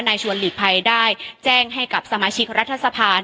ชวนหลีกภัยได้แจ้งให้กับสมาชิกรัฐสภา